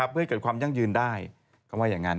เพื่อให้เกิดความยั่งยืนได้เขาว่าอย่างนั้น